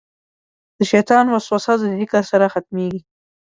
د شیطان وسوسه د ذکر سره ختمېږي.